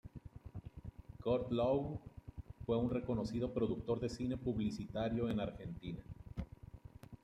Curt Lowe fue un reconocido productor de cine publicitario en Argentina.